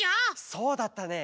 そうだったね。